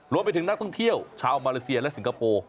นักท่องเที่ยวชาวมาเลเซียและสิงคโปร์